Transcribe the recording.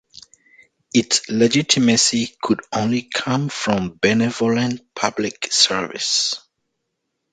Its legitimacy could only come from benevolent public service.